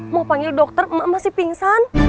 mau panggil dokter emak masih pingsan